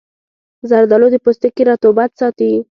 زردآلو د پوستکي رطوبت ساتي.